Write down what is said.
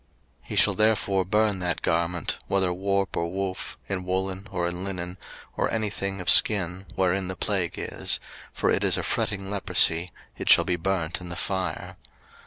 03:013:052 He shall therefore burn that garment, whether warp or woof, in woollen or in linen, or any thing of skin, wherein the plague is: for it is a fretting leprosy; it shall be burnt in the fire.